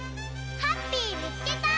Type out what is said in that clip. ハッピーみつけた！